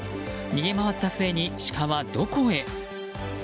逃げ回った末に、シカはどこへ？